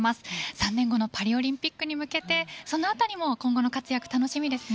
３年後のパリオリンピックに向けてそのあたりも今後の活躍楽しみですね。